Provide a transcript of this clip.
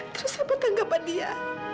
terus apa tanggapan dia